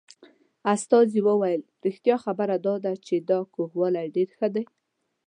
استازي وویل رښتیا خبره دا ده چې دا کوږوالی ډېر ښه دی.